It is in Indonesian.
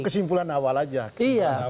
itu kesimpulan awal saja